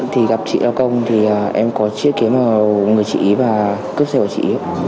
thì gặp chị lao công thì em có chiếc kế màu người chị và cướp xe của chị